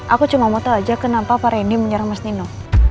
aku cuma mau tahu aja kenapa para indy menyerang mas nino